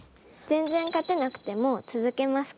全然勝てなくても続けますか？